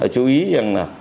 chú ý rằng là